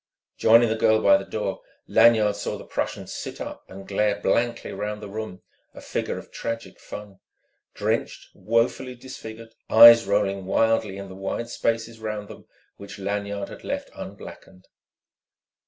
Joining the girl by the door, Lanyard saw the Prussian sit up and glare blankly round the room, a figure of tragic fun, drenched, woefully disfigured, eyes rolling wildly in the wide spaces round them which Lanyard had left unblackened.